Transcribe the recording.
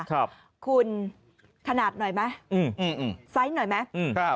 คุณขนาดหน่อยมั้ยไซส์หน่อยมั้ย